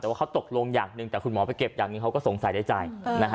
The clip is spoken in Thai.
แต่ว่าเขาตกลงอย่างหนึ่งแต่คุณหมอไปเก็บอย่างนี้เขาก็สงสัยในใจ